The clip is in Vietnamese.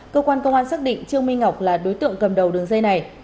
cơ quan công an xác định trương minh ngọc là đối tượng cầm đầu đường dây này